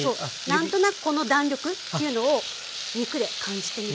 何となくこの弾力というのを肉で感じてみると。